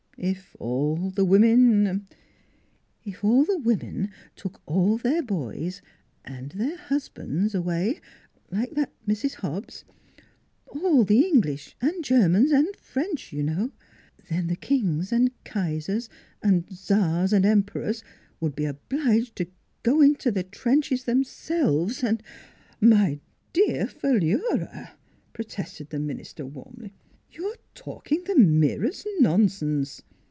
" If the women er "" If all the women took all their boys and their husbands away like that Mrs. Hobbs all the English and Germans and French, you know; then the Kings and Kaisers and Czars and Em perors would be obliged to go into the trenches themselves and "" My dear Philura," protested the minis ter warmly. " You are talking the merest nonsense!